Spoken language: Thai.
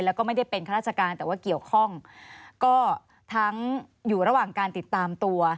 แล้วก็ไม่ได้เป็นข้าราชการแต่ว่าเกี่ยวข้องก็ทั้งอยู่ระหว่างการติดตามตัว